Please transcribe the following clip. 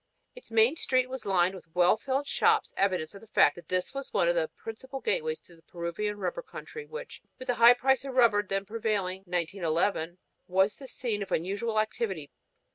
Its main street was lined with well filled shops, evidence of the fact that this is one of the principal gateways to the Peruvian rubber country which, with the high price of rubber then prevailing, 1911, was the scene of unusual activity.